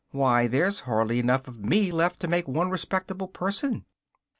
Why, there's hardly enough of me left to make one respectable person!"